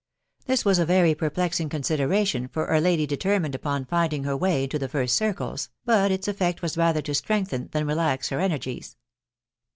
This was a very perplexing consideration for a lady deter mined upon rinding her way into the first circles, but its effect was rather to strengthen than relax her energies.